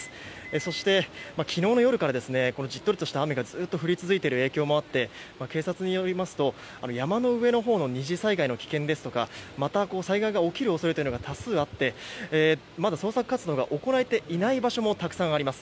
そして、昨日の夜からじっとりとした雨がずっと降り続いている影響もありまして警察によりますと山の上のほうの二次災害の危険や災害が起こる可能性が十分にあってまだ捜索活動が行えていない場所もたくさんあります。